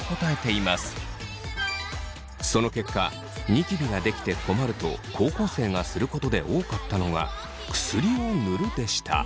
その結果ニキビができて困ると高校生がすることで多かったのが薬を塗るでした。